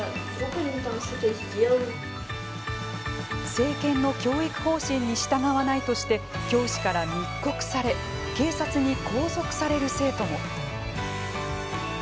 政権の教育方針に従わないとして教師から密告され警察に拘束される生徒も。